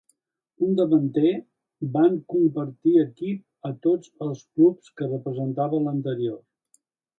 Un davanter, van compartir equip a tots els clubs que representava l'anterior.